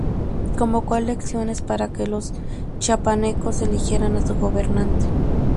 Convocó a elecciones para que los chiapanecos eligieran a su gobernante.